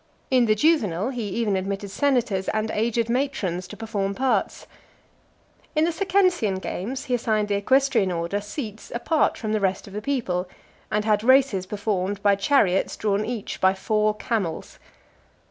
In the Juvenal, he even admitted senators and aged matrons to perform parts. In the Circensian games, he assigned the equestrian order seats apart from the rest of the people, and had races performed by chariots drawn each by four camels.